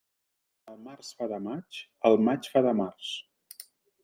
Quan el març fa de maig, el maig fa de març.